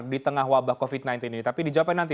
di tengah wabah covid sembilan belas ini tapi dijawabkan nanti